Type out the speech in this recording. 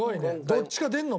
どっちか出るの？